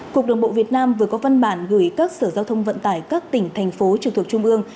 cục đường bộ việt nam vừa có văn bản gửi các sở giao thông vận tải các tỉnh thành phố trực thuộc trung ương